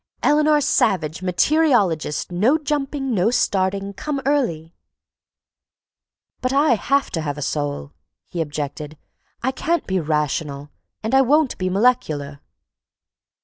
Eleanor Savage, materiologist—no jumping, no starting, come early—" "But I have to have a soul," he objected. "I can't be rational—and I won't be molecular."